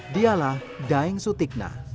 dialah daeng sutikna